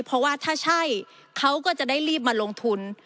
เพราะว่าถ้าใช่เขาก็จะได้รีบมาลงทุน